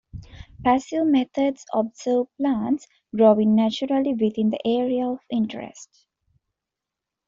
Passive methods observe plants growing naturally within the area of interest.